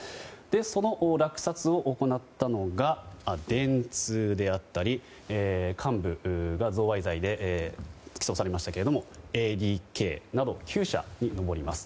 その落札を行ったのが電通であったり幹部が贈賄罪で起訴されましたけれどもＡＤＫなど９社に上ります。